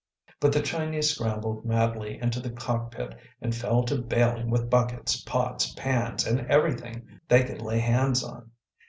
But the Chinese scrambled madly into the cockpit and fell to bailing with buckets, pots, pans, and everything they could lay hands on.